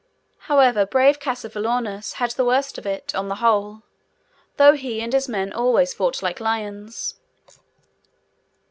However, brave Cassivellaunus had the worst of it, on the whole; though he and his men always fought like lions.